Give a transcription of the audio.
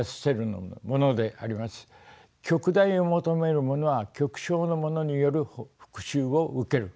極大を求めるものは極小のものによる復しゅうを受ける。